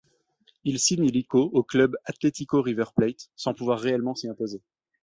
Il signe illico au Club Atlético River Plate, sans pouvoir réellement s'y imposer.